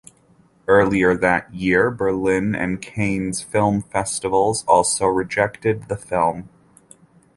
Earlier that year, Berlin and Cannes film festivals also rejected the film.